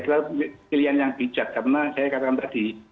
kalau pak emam saya kira pilihan yang bijak karena saya katakan tadi